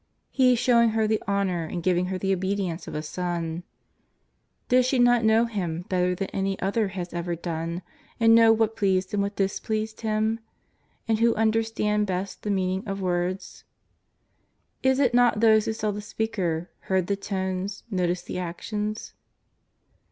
He showing her the honour and giv ing her the obedience of a Son. Did she not know Him better than any other has ever done, and know what pleased and what displeased Him? And who under stand best the meaning of words ? Is it not those who saw the speaker, heard the tones, noticed the actions?